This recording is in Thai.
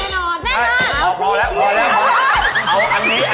โกรธอะไรใครอะ